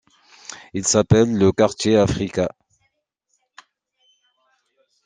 Ils appellent le quartier Afrika.